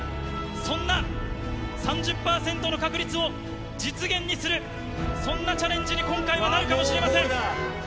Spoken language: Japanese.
そんな３０％の確率を実現にする、そんなチャレンジに今回はなるかもしれません。